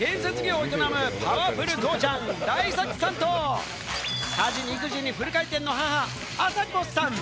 そして建設業を営むパワフル父ちゃん・大作さんと、家事に育児にフル回転の母・朝子さん。